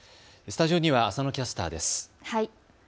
スタジオには浅野キャスターです。